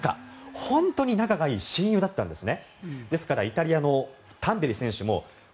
本当に仲がいい親友だったんですね。